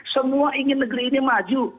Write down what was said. semua ingin negeri ini maju